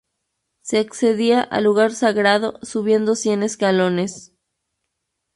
Se accedía al lugar sagrado subiendo cien escalones.